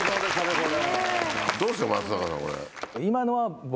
これ。